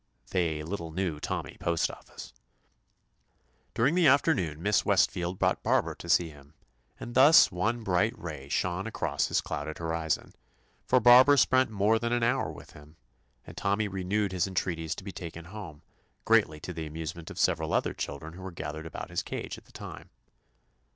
They little knew Tommy PostofEce. During the afternoon Miss West field brought Barbara to see him, and thus one bright ray shone across his clouded horizon, for Barbara spent more than an hour with him, and Tommy renewed his entreaties to be taken home, greatly to the amuse ment of several other children who were gathered about his cage at the time.